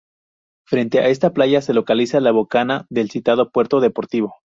Frente a esta playa se localiza la bocana del citado puerto deportivo.